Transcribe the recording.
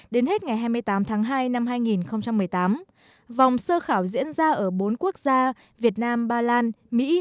đến hết ngày hai mươi tám tháng hai năm hai nghìn một mươi tám vòng sơ khảo diễn ra ở bốn quốc gia việt nam ba lan mỹ